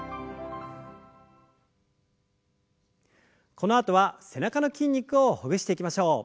このあとは背中の筋肉をほぐしていきましょう。